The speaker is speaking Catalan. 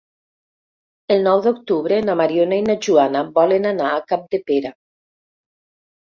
El nou d'octubre na Mariona i na Joana volen anar a Capdepera.